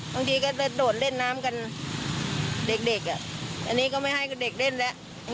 บางทีก็จะโดดเล่นน้ำกันเด็กอ่ะอันนี้ก็ไม่ให้เด็กเล่นแล้ว